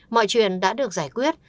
mọi chuyện đã được giải quyết